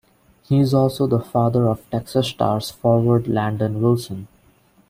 He is also the father of Texas Stars forward Landon Wilson.